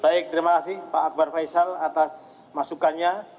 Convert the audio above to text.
baik terima kasih pak akbar faisal atas masukannya